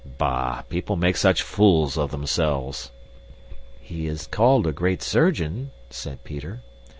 Bah! People make such fools of themselves!" "He is called a great surgeon," said Peter.